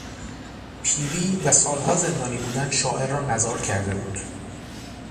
پیری و سالها زندانی بودن شاعر را نزار کرده بود.